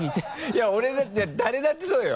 いや俺だって誰だってそうだよ。